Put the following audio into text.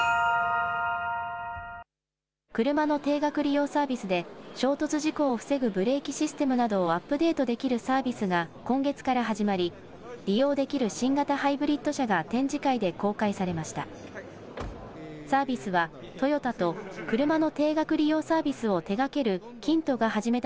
車の定額利用サービスで衝突事故を防ぐブレーキシステムなどをアップデートできるサービスが今月から始まり利用できる新型ハイブリッド車が展示会で公開されました。